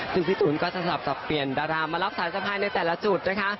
ซึ่งพี่ตูนก็จะสลับสับเปลี่ยนดารามารับสายสะพายในแต่ละจุดนะคะ